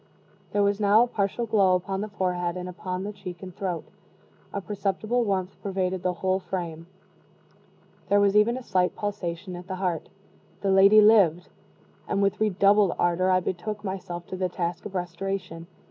There was now a partial glow upon the forehead and upon the cheek and throat; a perceptible warmth pervaded the whole frame; there was even a slight pulsation at the heart. The lady lived; and with redoubled ardor I betook myself to the task of restoration.